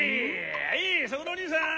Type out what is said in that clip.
はいそこのおにいさん！